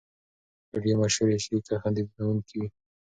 ویډیو مشهورې شي که خندوونکې وي.